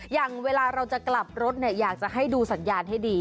อย่างเวลาเราจะกลับรถเนี่ยอยากจะให้ดูสัญญาณให้ดี